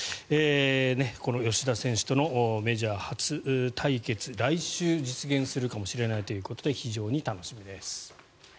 吉田選手とのメジャー初対決来週、実現するかもしれないということで非常に楽しみです。